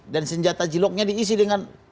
dan senjata jiloknya diisi dengan